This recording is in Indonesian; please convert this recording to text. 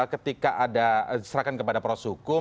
ketika ada serangan kepada perus hukum